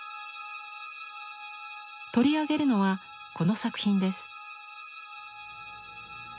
取り上げるのはこの作品です。